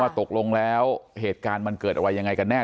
ตกลงแล้วเหตุการณ์มันเกิดอะไรยังไงกันแน่